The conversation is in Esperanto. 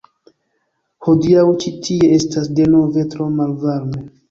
Hodiaŭ ĉi tie estas denove tro malvarme.